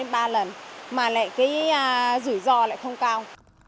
mà lại cái rủi ro lại không cao